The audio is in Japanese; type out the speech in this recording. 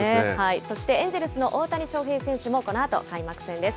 そしてエンジェルスの大谷翔平選手もこのあと、開幕戦です。